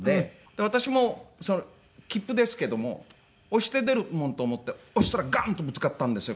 私も切符ですけども押して出るものと思って押したらガンとぶつかったんですよ